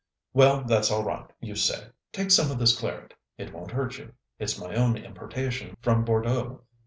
Well that's all right, you say. Take some of this claret, it won't hurt you. It's my own importation from Bordeaux.